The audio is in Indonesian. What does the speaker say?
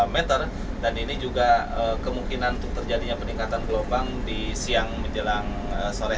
dua puluh meter dan ini juga kemungkinan untuk terjadinya peningkatan gelombang di siang menjelang sore